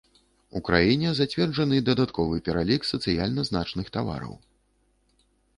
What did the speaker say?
У краіне зацверджаны дадатковы пералік сацыяльна значных тавараў.